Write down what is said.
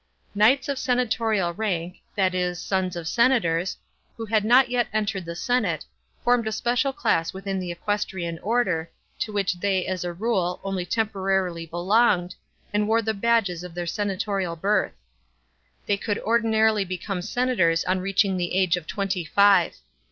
Knights of senatorial rank — that is, sons* of senators — who had not yet entered the senate, formed a special class within the equestrian order, to which they, as a rule, only temporarily belonged, and wore the badges of their senatorial birth. They could ordinarily become senators on reaching the age of twenty five.